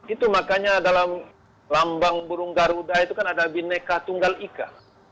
itu makanya dalam lambang burung garuda itu kan ada bineka tunggal ika